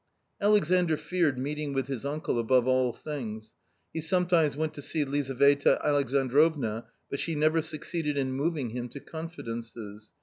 Alexandr feared meeting with his uncle above all things. He sometimes went to see Lizaveta Alexandrovna, but she never succeeded in moving him to confidences.